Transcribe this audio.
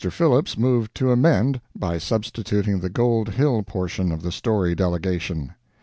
Phillips moved to amend by substituting the Gold Hill portion of the Storey delegation.